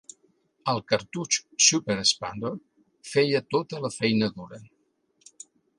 El cartutx "Super Expander" feia tota la feina dura.